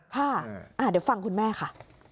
ค่ะเดี๋ยวฟังคุณแม่ค่ะ